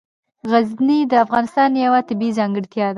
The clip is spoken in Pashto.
غزني د افغانستان یوه طبیعي ځانګړتیا ده.